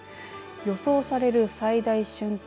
予想される最大瞬間